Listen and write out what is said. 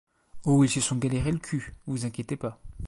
Oh ils se sont galéré le cul, vous inquiétez pas.